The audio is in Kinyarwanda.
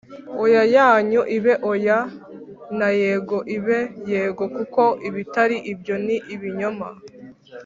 Oya yanyu ibe Oya nay ego ibe yego kuko ibitari ibyo ni ibinyoma